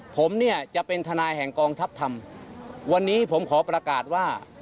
ผมเนี่ยจะเป็นทนายแห่งกองทัพธรรมวันนี้ผมขอประกาศว่า